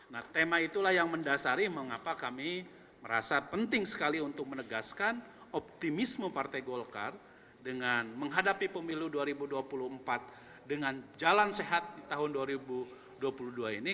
nah tema itulah yang mendasari mengapa kami merasa penting sekali untuk menegaskan optimisme partai golkar dengan menghadapi pemilu dua ribu dua puluh empat dengan jalan sehat di tahun dua ribu dua puluh dua ini